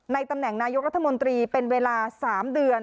ตำแหน่งนายกรัฐมนตรีเป็นเวลา๓เดือน